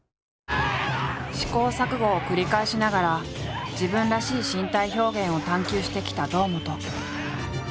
試行錯誤を繰り返しながら自分らしい身体表現を探求してきた堂本。